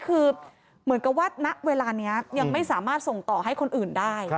คือเหมือนกับว่าณเวลานี้ยังไม่สามารถส่งต่อให้คนอื่นได้